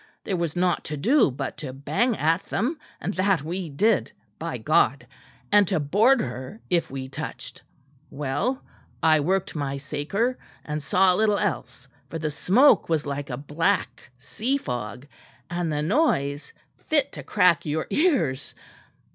There was nought to do but to bang at them; and that we did, by God and to board her if we touched. Well, I worked my saker, and saw little else for the smoke was like a black sea fog; and the noise fit to crack your ears.